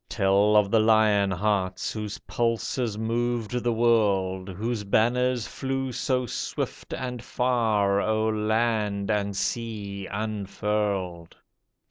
Tell of the lion hearts Whose pulses moved the world ; Whose banners flew so swift and far, O'er land and sea unfurled